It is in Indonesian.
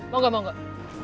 mau gak mau gak